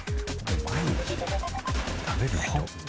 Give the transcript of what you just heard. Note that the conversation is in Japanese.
毎日食べる人。